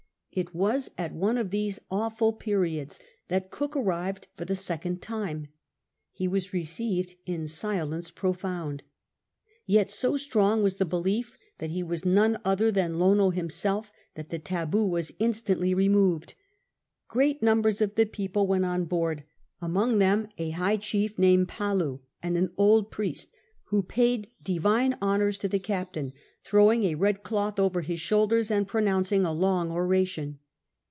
It was at one of these awful periods that Cook arrived for the second time. lie was received in silence profound. Yet so strong was the belief that ho was none other tlian Lono himself that the hthii was instuitly removed. (Sreat numbers of people wont on board, among them a high chief nanuMl Palu and an old priest, who paid tlivine honoui's to the captain, throwing a red cloth over his shoulders and pronouncing a long oration.